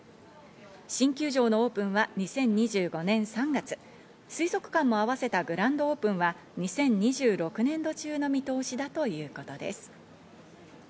新球場のオープンは２０２５年３月、水族館も合わせたグランドオープンは２０２６年度中の見通しだということです。